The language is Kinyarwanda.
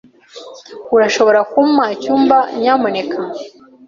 Urashobora kumpa icyumba, nyamuneka?